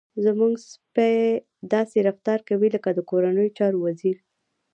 زموږ سپی داسې رفتار کوي لکه د کورنیو چارو وزير.